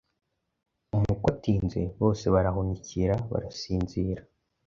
Umukwe atinze bose barahunikira, barasinzira.